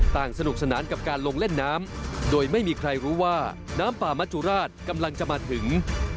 สนุกสนานกับการลงเล่นน้ำโดยไม่มีใครรู้ว่าน้ำป่ามัจจุราชกำลังจะมาถึง